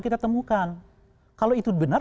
kita temukan kalau itu benar